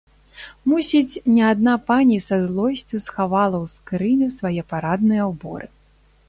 Мусіць, не адна пані са злосцю схавала ў скрыню свае парадныя ўборы.